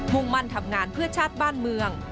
่งมั่นทำงานเพื่อชาติบ้านเมือง